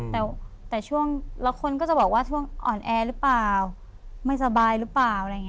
แต่ช่วงแล้วคนก็จะบอกว่าช่วงอ่อนแอหรือเปล่าไม่สบายหรือเปล่าอะไรอย่างนี้